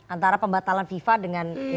antara pembatalan fifa dengan fifa